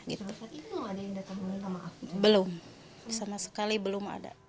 belum sama sekali belum ada